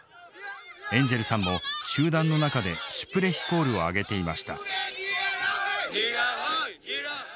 エンジェルさんも集団の中でシュプレヒコールを上げていました。